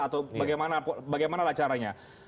atau bagaimana caranya